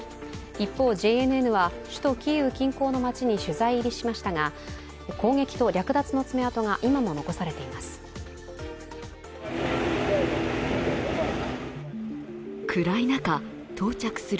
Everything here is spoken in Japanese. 一方、ＪＮＮは首都キーウ近郊の街に取材入りしましたが、攻撃と略奪の爪痕が今も残されています。